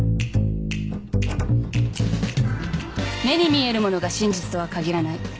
目に見えるものが真実とは限らない。